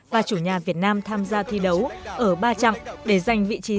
và chủ nhà việt nam tham gia thi đấu ở ba chặng để giành vị trí